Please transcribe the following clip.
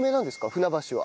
船橋は。